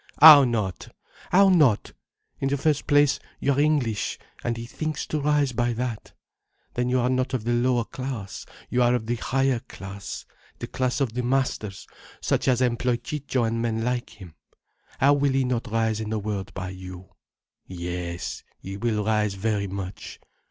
"How not? How not? In the first place, you are English, and he thinks to rise by that. Then you are not of the lower class, you are of the higher class, the class of the masters, such as employ Ciccio and men like him. How will he not rise in the world by you? Yes, he will rise very much.